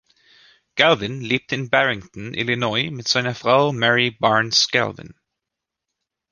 Galvin lebte in Barrington, Illinois mit seiner Frau Mary Barnes Galvin.